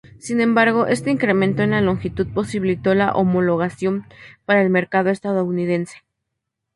Sin embargo este incremento en la longitud posibilitó su homologación para el mercado estadounidense.